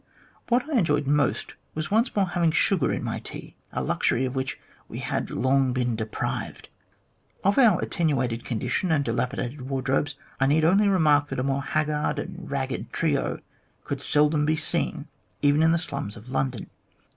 What I enjoyed most was once more having sugar in my tea, a luxury of which we had long been deprived. Of our attenuated condition and dilapidated wardrobes, I need only remark that a more haggard and ragged trio could seldom be seen even in the slums of London.